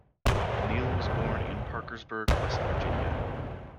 Neale was born in Parkersburg, West Virginia.